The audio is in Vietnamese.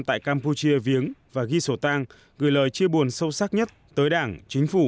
tại campuchia viếng và ghi sổ tang gửi lời chia buồn sâu sắc nhất tới đảng chính phủ